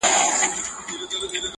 چا راوړي د پیسو وي ډک جېبونه,